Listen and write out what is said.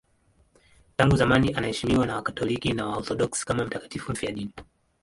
Tangu zamani anaheshimiwa na Wakatoliki na Waorthodoksi kama mtakatifu mfiadini.